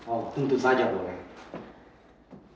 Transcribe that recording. oh tentu saja boleh